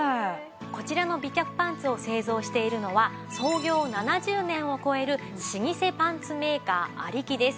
こちらの美脚パンツを製造しているのは創業７０年を超える老舗パンツメーカー有木です。